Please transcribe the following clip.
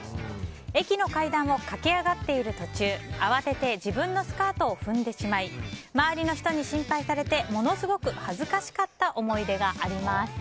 駅の階段を駆け上がっている途中慌てて自分のスカートを踏んでしまい周りの人に心配されてものすごく恥ずかしかった思い出があります。